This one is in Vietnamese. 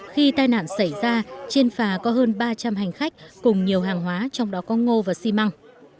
khi tai nạn xảy ra trên phà có hơn ba trăm linh hành khách cùng nhiều hàng hóa trong đó có ngô và xi măng